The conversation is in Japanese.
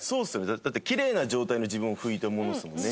だってキレイな状態の自分を拭いたものですもんね